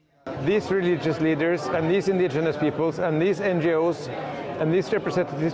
pemerintah religius rakyat indonesia ngo dan representatif ini